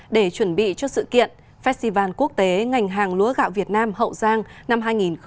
để chuẩn bị cho sự kiện festival quốc tế ngành hàng lúa gạo việt nam hậu giang năm hai nghìn một mươi chín